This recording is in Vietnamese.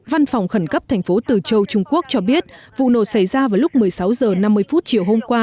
văn phòng khẩn cấp thành phố từ châu trung quốc cho biết vụ nổ xảy ra vào lúc một mươi sáu h năm mươi chiều hôm qua